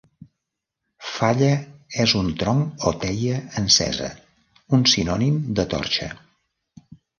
Falla és un tronc o teia encesa, un sinònim de torxa.